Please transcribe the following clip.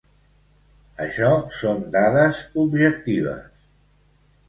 Això són dades objectives.